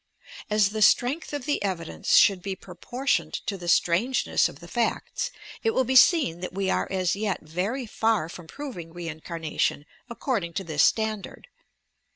As "the strength of the evidence should be proportioned to the strangeness of the facts" it will be seen that we are as yet very far from proving reincarnation accord ing to this standard.